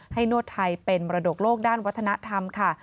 นวดไทยเป็นมรดกโลกด้านวัฒนธรรมค่ะ